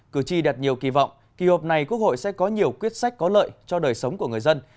cử tri đặt nhiều kỳ vọng kỳ họp này quốc hội sẽ có nhiều quyết sách có lợi cho đời sống của người dân